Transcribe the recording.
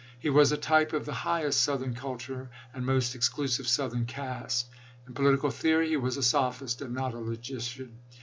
He was a type of the highest Southern culture and most exclusive Southern caste. In political theory he was a sophist, and not a logician.